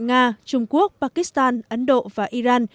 nga trung quốc pakistan ấn độ và iran